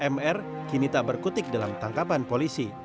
mr kini tak berkutik dalam tangkapan polisi